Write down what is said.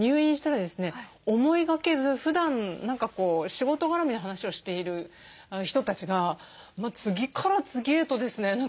思いがけずふだん何か仕事絡みの話をしている人たちが次から次へとですね